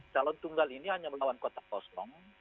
calon tunggal ini hanya melawan kotak kosong